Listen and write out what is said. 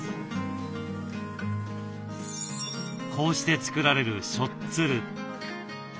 こうして作られる「しょっつる」。